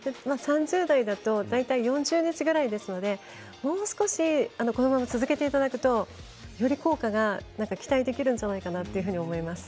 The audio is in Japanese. ３０代だと大体４０日くらいですのでもう少し、このまま続けていただくと、より効果が期待できるんじゃないかと思います。